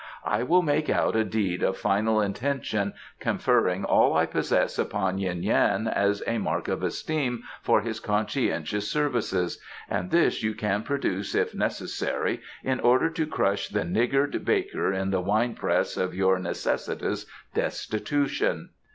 "I will make out a deed of final intention conferring all I possess upon Yuen Yan as a mark of esteem for his conscientious services, and this you can produce if necessary in order to crush the niggard baker in the wine press of your necessitous destitution."